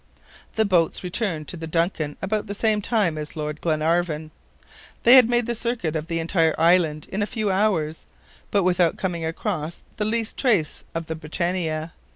The boats returned to the DUNCAN about the same time as Lord Glenarvan. They had made the circuit of the entire island in a few hours, but without coming across the least trace of the BRITANNIA.